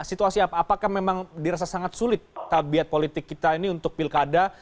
situasi apakah memang dirasa sangat sulit tabiat politik kita ini untuk pilkada